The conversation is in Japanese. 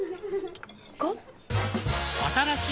５？